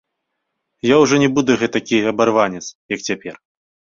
Я ўжо не буду гэтакі абарванец, як цяпер.